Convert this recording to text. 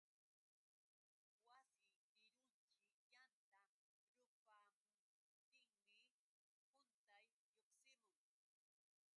Wasi rurinćhu yanta rupamuptinmi quntay lluqsimun.